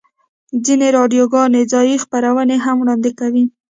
ځینې راډیوګانې ځایی خپرونې هم وړاندې کوي